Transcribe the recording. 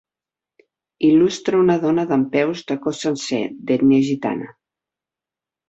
Il·lustra a una dona dempeus de cos sencer d'ètnia gitana.